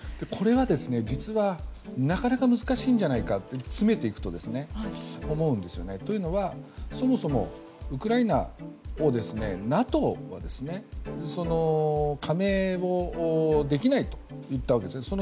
これは実はなかなか難しいんじゃないかと詰めていくと、思うんですねというのは、そもそもウクライナをＮＡＴＯは加盟をできないと言ったわけです。